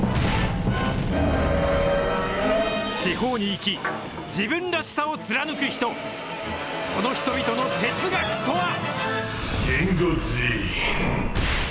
地方に生き、自分らしさを貫く人、その人々の哲学とは。